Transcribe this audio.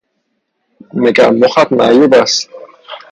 مگر مخت معیوب است!